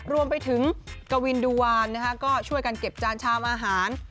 รวมไปถึงกวินดูวานก็ช่วยกันเก็บจานชามอาหาร